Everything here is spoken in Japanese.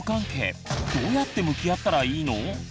どうやって向き合ったらいいの？